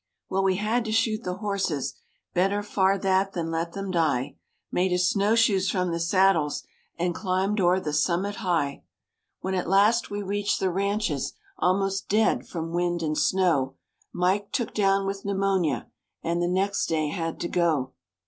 Well, we had to shoot the horses, Better far that, than let them die, Made us snow shoes from the saddles And climbed o'er the summit high. When at last we reached the ranches, Almost dead from wind and snow; Mike took down with the pneumonia, And the next day had to go.